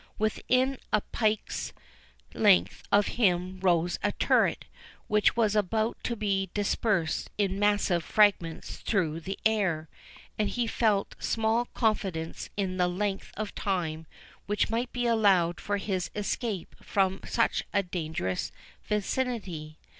Within a pike's length of him arose a turret, which was about to be dispersed in massive fragments through the air; and he felt small confidence in the length of time which might be allowed for his escape from such a dangerous vicinity.